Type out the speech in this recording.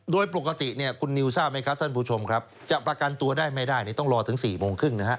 โดยปกติเนี่ยคุณนิวทราบไหมครับท่านผู้ชมครับจะประกันตัวได้ไม่ได้ต้องรอถึง๔โมงครึ่งนะฮะ